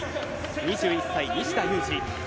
２１歳、西田有志。